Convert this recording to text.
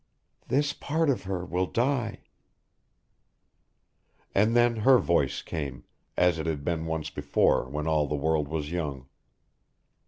"This part of her will die." And then her voice came as it had been once before when all of the world was young.